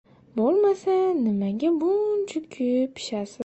— Bo‘lmasa nimaga buncha kuyib-pishasiz?